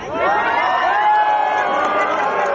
สวัสดีทุกคน